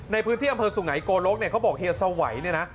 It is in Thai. ในพื้นที่อำเภอสุหายโกโลกเขาบอกเฮียสวัยนะ